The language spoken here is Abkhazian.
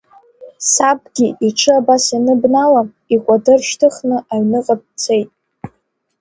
Сабгьы иҽы абас ианыбнала, икәадыр шьҭыхны аҩныҟа дцеит!